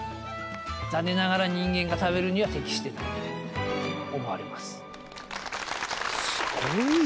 残念ながら人間が食べるには適していないと思われます。